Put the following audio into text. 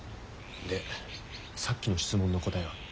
でさっきの質問の答えは？